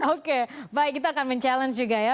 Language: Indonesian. oke baik kita akan mencabar juga ya